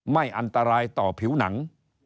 ไม่อันตรายต่อผิวหนัง